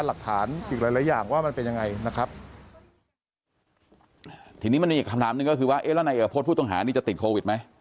แล้วนายเอกพจน์ผู้ต้องหานี่จะติดโควิดไหม